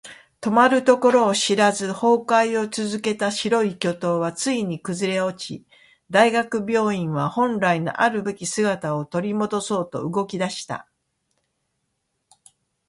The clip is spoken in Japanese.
止まるところを知らず崩壊を続けた白い巨塔はついに崩れ落ち、大学病院は本来のあるべき姿を取り戻そうと動き出した。